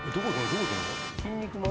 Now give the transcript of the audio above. どこ行くの？